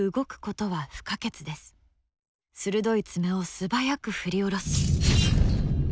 鋭い爪を素早く振り下ろす。